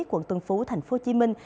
quận tân phú thành phố hồ chí minh